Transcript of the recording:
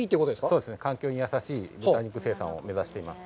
そうですね、環境に優しい豚肉生産を目指しています。